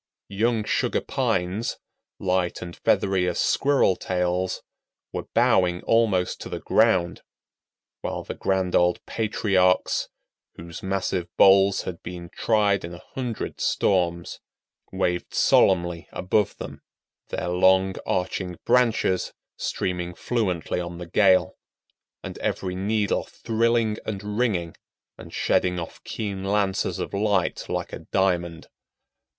Young Sugar Pines, light and feathery as squirrel tails, were bowing almost to the ground; while the grand old patriarchs, whose massive boles had been tried in a hundred storms, waved solemnly above them, their long, arching branches streaming fluently on the gale, and every needle thrilling and ringing and shedding off keen lances of light like a diamond.